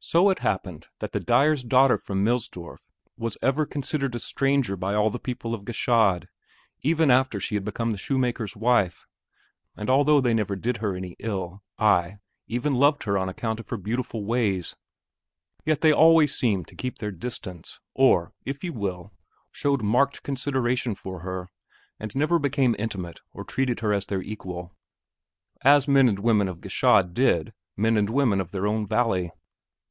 So it happened that the dyer's daughter from Millsdorf was ever considered a stranger by all the people of Gschaid, even after she had become the shoemaker's wife; and although they never did her any ill, ay, even loved her on account of her beautiful ways, yet they always seemed to keep their distance, or, if you will, showed marked consideration for her, and never became intimate or treated her as their equal, as men and women of Gschaid did men and women of their own valley.